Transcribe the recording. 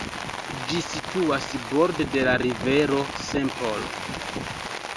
Ĝi situas borde de la rivero St. Paul.